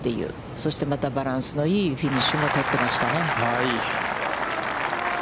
そしてまたバランスのいいフィニッシュを取っていましたね。